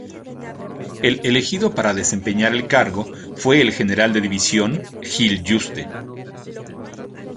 El elegido para desempeñar el cargo fue el general de división Gil Yuste.